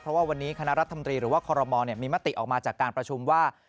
เพราะว่าวันนี้คณะรัฐมนตรีหรือว่าคอรมอลมีมติออกมาจากการประชุมว่า